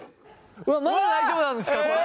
まだ大丈夫なんですかこれ。